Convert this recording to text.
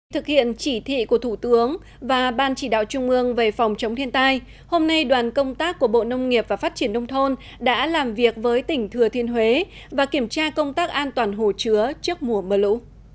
thực hiện chỉ thị của thủ tướng và ban chỉ đạo trung ương về phòng chống thiên tai hôm nay đoàn công tác của bộ nông nghiệp và phát triển nông thôn đã làm việc với tỉnh thừa thiên huế và kiểm tra công tác an toàn hồ chứa trước mùa mưa lũ